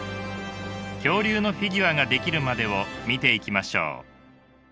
恐竜のフィギュアが出来るまでを見ていきましょう。